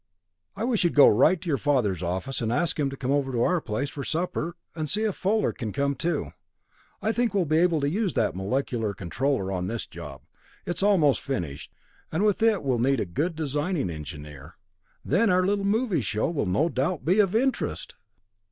I wish you'd go right to your father's office and ask him over to our place for supper, and see if Fuller can come too. I think we'll be able to use that molecular controller on this job; it's almost finished, and with it we'll need a good designing engineer. Then our little movie show will no doubt be of interest!"